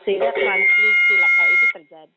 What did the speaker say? sehingga transisi lah kalau itu terjadi